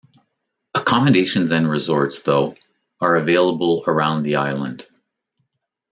Accommodations and resorts, though, are available around the island.